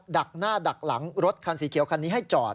ดักหน้าดักหลังรถคันสีเขียวคันนี้ให้จอด